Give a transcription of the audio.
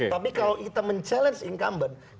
tapi kalau kita mencabar incumbent